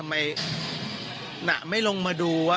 ทำไมน่ะไม่ลงมาดู